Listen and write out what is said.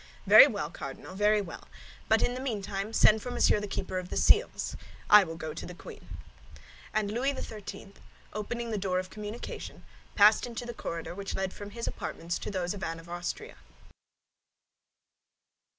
"Very well, Cardinal, very well; but, meantime, send for Monsieur the Keeper of the Seals. I will go to the queen." And Louis XIII., opening the door of communication, passed into the corridor which led from his apartments to those of Anne of Austria.